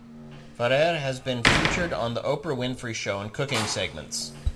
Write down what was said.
Ferrare has been featured on The Oprah Winfrey Show in cooking segments.